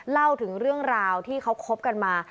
เล่าถึงเรื่องราวที่เขาคบกันมา